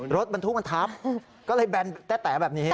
รถบรรทุกมันทับก็เลยแบนแต๊แบบนี้